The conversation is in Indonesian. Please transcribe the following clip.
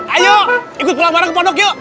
ayo ikut pelamaan ke pondok yuk